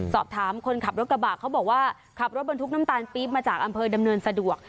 สอบถามคนขับรถกระบะเขาบอกว่าขับรถบรรทุกน้ำตาลปี๊บมาจากอำเภอดำเนินสะดวก